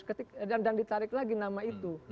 yang menyodorkan dua nama yang baru dan ditarik lagi nama itu